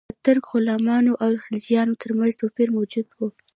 د ترک غلامانو او خلجیانو ترمنځ توپیر موجود و.